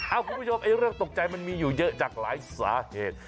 คุณผู้ชมเรื่องตกใจมันมีอยู่เยอะจากหลายสาเหตุ